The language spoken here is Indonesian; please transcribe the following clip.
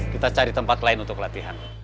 kita cari tempat lain untuk latihan